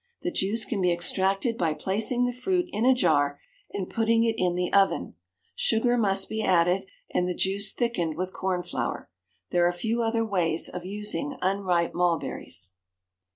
The juice can be extracted by placing the fruit in a jar and putting it in the oven; sugar must be added, and the juice thickened with corn flour. There are few other ways of using unripe mulberries.